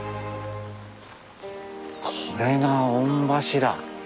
これが御柱。